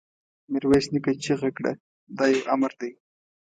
ميرويس نيکه چيغه کړه! دا يو امر دی!